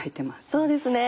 そうですね。